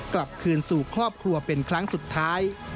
กลับคืนสู่ครอบครัวเป็นครั้งสุดท้าย